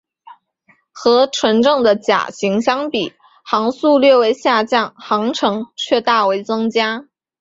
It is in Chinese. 和纯正的甲型相比航速略为下降航程却大为增加。